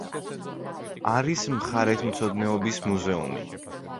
არის მხარეთმცოდნეობის მუზეუმი.